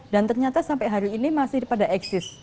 dan ternyata sampai hari ini masih pada eksis